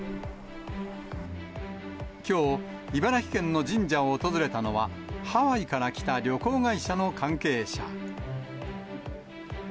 きょう、茨城県の神社を訪れたのは、ハワイから来た旅行会社の関係者。